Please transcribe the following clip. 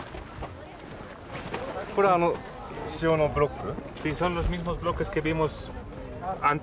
これあの塩のブロック？